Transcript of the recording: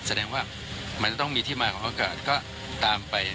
แสดงว่ามันจะต้องมีที่มาของเขาก็ตามไป